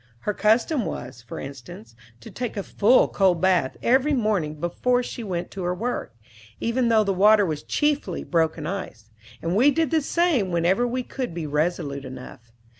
Her custom was, for instance, to take a full cold bath every morning before she went to her work, even though the water was chiefly broken ice; and we did the same whenever we could be resolute enough.